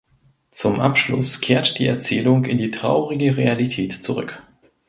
Zum Abschluss kehrt die Erzählung in die traurige Realität zurück.